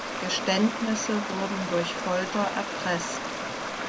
Geständnisse wurden durch Folter erpresst.